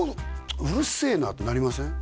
「うるせえな」ってなりません？